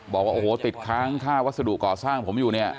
บอกว่าโอ้โหติดค้างค่าวัสดุก่อสร้างผมอยู่เนี่ย